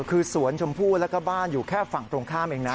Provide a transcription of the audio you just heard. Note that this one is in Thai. คือสวนชมพู่แล้วก็บ้านอยู่แค่ฝั่งตรงข้ามเองนะ